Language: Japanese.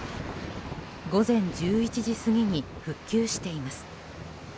午前１１時過ぎに復旧しています。